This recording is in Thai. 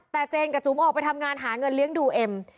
แต่เจนกับจุ๋มออกไปทำงานหาเงินเลี้ยงดูเอ็ม